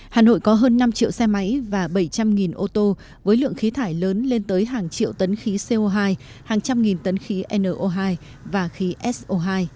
hà nội có hơn năm triệu xe máy và bảy trăm linh ô tô với lượng khí thải lớn lên tới hàng triệu tấn khí co hai hàng trăm nghìn tấn khí no hai và khí so hai